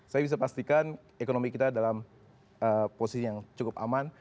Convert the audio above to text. saya bisa pastikan ekonomi kita dalam posisi yang cukup aman